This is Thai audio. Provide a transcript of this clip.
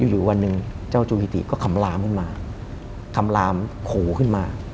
อยู่วันหนึ่งเจ้าจูฮิติก็ขำลามขึ้นมาคำลามโขขึ้นมา